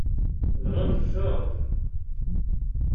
Dɣa neffeɣ-d.